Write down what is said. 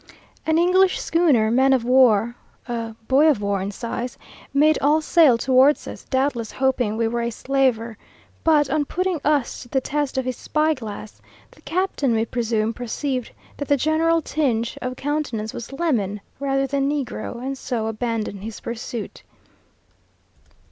An English schooner man of war (a boy of war in size) made all sail towards us, doubtless hoping we were a slaver; but, on putting us to the test of his spy glass, the captain, we presume, perceived that the general tinge of countenance was lemon rather than negro, and so abandoned his pursuit.